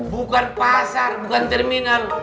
bukan pasar bukan terminal